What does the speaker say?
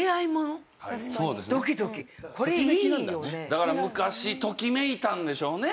だから昔ときめいたんでしょうね